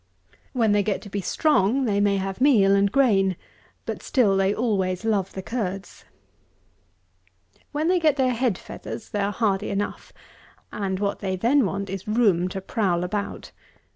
When they get to be strong, they may have meal and grain, but still they always love the curds. 173. When they get their head feathers they are hardy enough; and what they then want is room to prowl about.